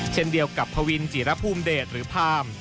เช่นเดียวกับพวินจิระภูมิเดชหรือพาม